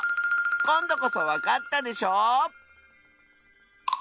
こんどこそわかったでしょ？